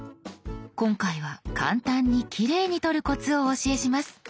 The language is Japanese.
今回は簡単にきれいに撮るコツをお教えします。